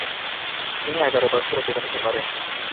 তিনি এগারো বছর অতিবাহিত করেন।